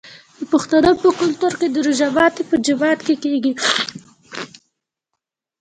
د پښتنو په کلتور کې د روژې ماتی په جومات کې کیږي.